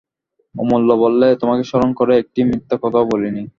অমূল্য বললে, তোমাকে স্মরণ করেই একটি মিথ্যা কথাও বলি নি।